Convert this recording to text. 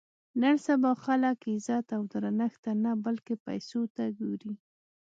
نن سبا خلک عزت او درنښت ته نه بلکې پیسو ته ګوري.